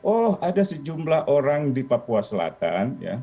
oh ada sejumlah orang di papua selatan